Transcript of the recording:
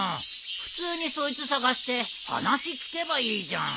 普通にそいつ捜して話聞けばいいじゃん。